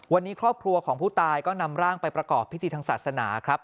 วันนี้ครอบครัวของผู้ตายก็นำร่างไปประกอบพิธีทางศาสนาครับ